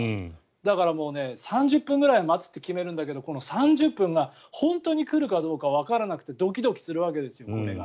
だから、３０分ぐらい待つって決めるんだけどこの３０分が本当に来るかどうかわからなくてドキドキするわけですよ。